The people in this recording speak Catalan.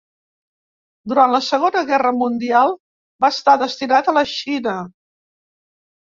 Durant la Segona Guerra Mundial, va estar destinat a la Xina.